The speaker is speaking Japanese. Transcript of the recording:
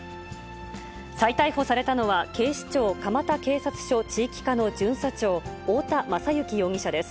再逮捕されたのは、警視庁蒲田警察署地域課の巡査長、太田優之容疑者です。